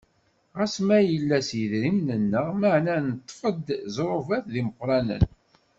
Ɣas ma yella s yidrimen-nneɣ, meɛna nettaf-d ẓẓrubat d imeqqranen.